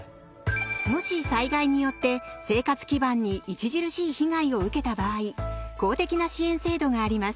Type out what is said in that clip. もし災害によって生活基盤に著しい被害を受けた場合公的な支援制度があります。